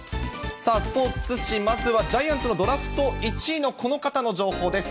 さあ、スポーツ紙、まずはジャイアンツのドラフト１位のこの方の情報です。